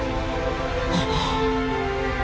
あっ。